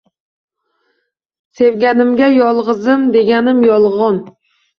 Sevganimga yolgizim deganim yolgon